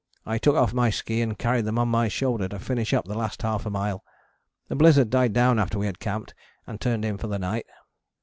I took off my ski and carried them on my shoulder to finish up the last half a mile. The blizzard died down after we had camped and turned in for the night.